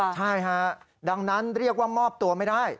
ใช่ฮะดังนั้นเรียกว่ามอบตัวไม่ได้